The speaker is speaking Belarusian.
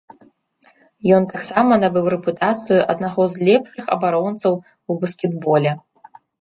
Ён таксама набыў рэпутацыю аднаго з лепшых абаронцаў у баскетболе.